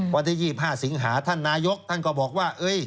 วันที่๒๕สิงหาท่านนายกท่านก็บอกว่า